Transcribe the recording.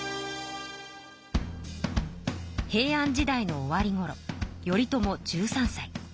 平安時代の終わりごろ頼朝１３さい。